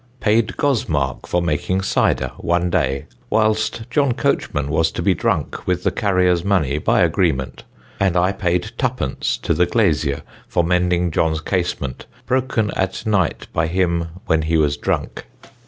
"Pay'd Gosmark for making cyder 1 day, whilst John Coachman was to be drunk with the carrier's money, by agreement; and I pay'd 2_d._ to the glasyer for mending John's casement broken at night by him when he was drunk.